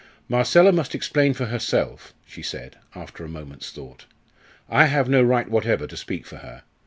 "Marcella must explain for herself," she said, after a moment's thought. "I have no right whatever to speak for her.